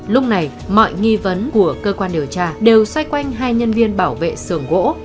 lúc này mọi nghi vấn của cơ quan điều tra đều xoay quanh hai nhân viên bảo vệ xưởng gỗ